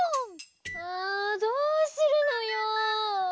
あどうするのよ！